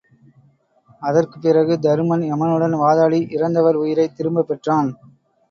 அதற்குப் பிறகு தருமன் எமனுடன் வாதாடி இறந்தவர் உயிரைத் திரும்பப் பெற்றான்.